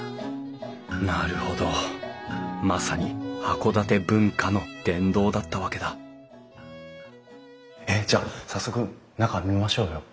なるほどまさに函館文化の殿堂だったわけだじゃあ早速中見ましょうよ！